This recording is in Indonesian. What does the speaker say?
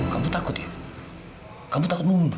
kamu takut ya kamu takut mau muntah